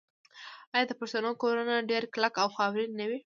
آیا د پښتنو کورونه ډیر کلک او خاورین نه وي؟